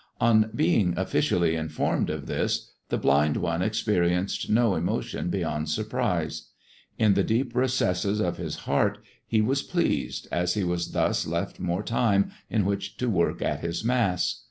On being officially informed of this, the blind one experienced no emotion beyond surprise. In the deep recesses of his heart he was pleased, as he was thus left more time in which to work at his Mass.